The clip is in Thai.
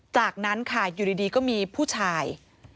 จากนั้นค่ะอยู่ดีก็มีผู้ชาย